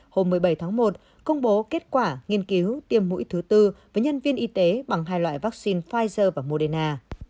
hôm một mươi bảy tháng một công bố kết quả nghiên cứu tiêm mũi thứ tư với nhân viên y tế bằng hai loại vaccine pfizer và moderna